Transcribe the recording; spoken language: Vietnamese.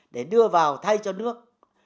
để đưa vào thay cho nước